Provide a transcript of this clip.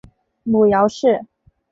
母姚氏。